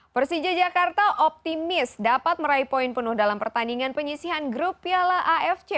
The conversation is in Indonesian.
persija jakarta optimis dapat meraih poin penuh dalam pertandingan penyisihan grup piala afc